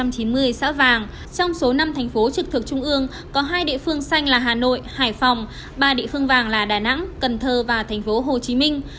trong số năm thành phố trực thực trung ương có hai địa phương xanh là hà nội hải phòng ba địa phương vàng là đà nẵng cần thơ và thành phố hồ chí minh